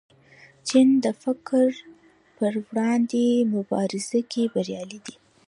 چین د فقر پر وړاندې مبارزه کې بریالی دی.